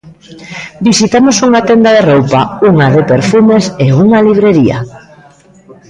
Visitamos unha tenda de roupa, unha de perfumes e unha librería.